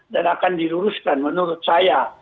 dan akan diluruskan menurut saya